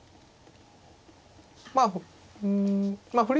まあうん振り